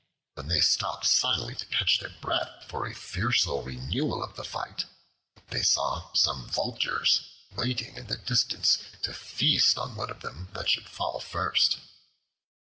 When they stopped suddenly to catch their breath for a fiercer renewal of the fight, they saw some Vultures waiting in the distance to feast on the one that should fall first.